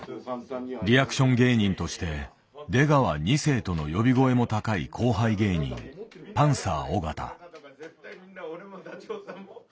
リアクション芸人として「出川２世」との呼び声も高い後輩芸人パンサー尾形。